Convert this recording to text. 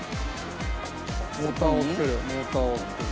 モーターをつけるモーターをつける。